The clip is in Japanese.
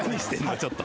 ちょっと。